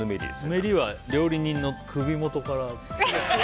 ぬめりは料理人の首元から。